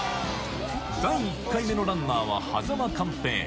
第１回目のランナーは、間寛平。